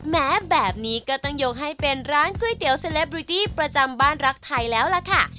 แม้แบบนี้ก็ต้องยกให้เป็นร้านก๋วยเตี๋ยวเซลบริตี้ประจำบ้านรักไทยแล้วล่ะค่ะ